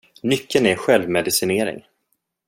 Nyckeln är självmedicinering.